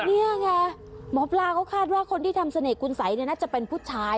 หมอพลาเขาคาดว่าทำเสน่ห์คุณสัยน่าจะเป็นผู้ชาย